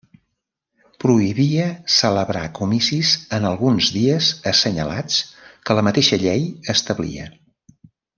Prohibia celebrar comicis en alguns dies assenyalats que la mateixa llei establia.